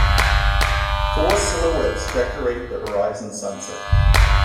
Four silhouettes decorate the horizon 's sunset.